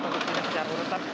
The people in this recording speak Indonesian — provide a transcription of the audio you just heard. untuk tidak secara urutan